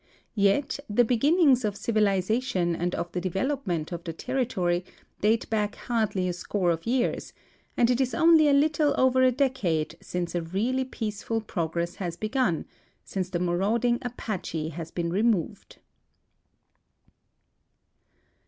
Yet the l>e ginnings of civilization and of the development of W^e territory date back hardly a score of years, and it is only a little «)ver a decade since a really peaceful progress has begun— since the marauding Apache has been removed